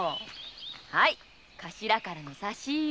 はいカシラからの差し入れ。